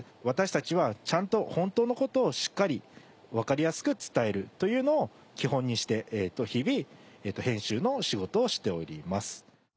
私たちはちゃんと本当のことをしっかり分かりやすく伝えるというのを基本にして日々編集の仕事をしております。